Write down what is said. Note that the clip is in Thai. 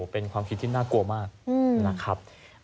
เป็นความคิดที่น่ากลัวมากนะครับ